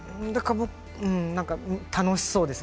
楽しそうですね。